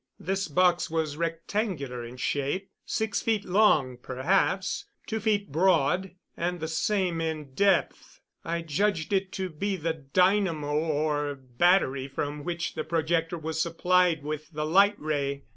This box was rectangular in shape; six feet long, perhaps, two feet broad, and the same in depth. I judged it to be the dynamo or battery from which the projector was supplied with the light ray.